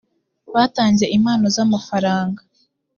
batanze impano z’amafaranga